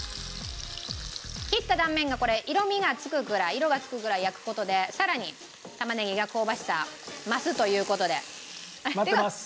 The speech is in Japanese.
切った断面がこれ色味がつくくらい色がつくぐらい焼く事でさらに玉ねぎが香ばしさ増すという事で。